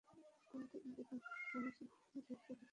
তুই তো এটাও জানিস না যে সে বেঁচে আছে নাকি মারা গেছে!